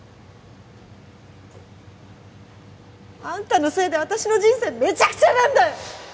あんたのせいで私の人生めちゃくちゃなんだよ！